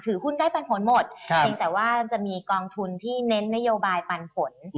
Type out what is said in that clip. หุ้นได้ปันผลหมดเพียงแต่ว่ามันจะมีกองทุนที่เน้นนโยบายปันผล